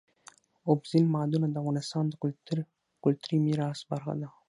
اوبزین معدنونه د افغانستان د کلتوري میراث برخه ده.